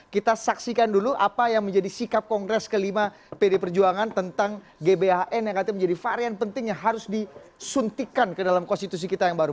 kita saksikan dulu apa yang menjadi sikap kongres kelima pd perjuangan tentang gbhn yang katanya menjadi varian penting yang harus disuntikan ke dalam konstitusi kita yang baru